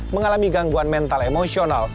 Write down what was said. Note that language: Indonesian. mengalami gangguan mental emosional